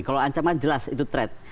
kalau ancaman jelas itu trade